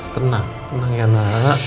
tenang ya nona